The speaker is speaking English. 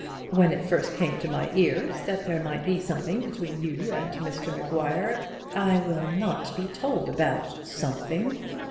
When it first came to my ears that there might be something between you and Mr Maguire " "I will not be told about something.